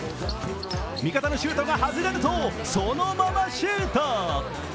味方のシュートが外れるとそのままシュート。